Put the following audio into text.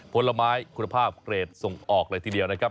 ผลไม้คุณภาพเกรดส่งออกเลยทีเดียวนะครับ